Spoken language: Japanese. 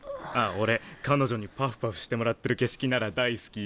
俺彼女にパフパフしてもらってる景色なら大好き。